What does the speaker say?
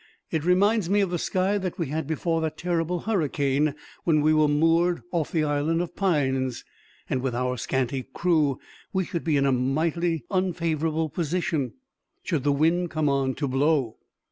It reminds me of the sky that we had before that terrible hurricane, when we were moored off the Isle of Pines; and with our scanty crew we should be in a mightily unfavorable position, should the wind come on to blow."